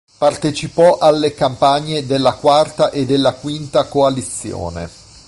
Partecipò alle campagne della quarta e della quinta coalizione.